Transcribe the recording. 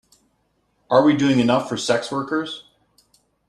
Are we doing enough for sex workers?